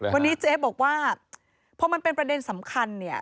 วันนี้เจ๊บอกว่าพอมันเป็นประเด็นสำคัญเนี่ย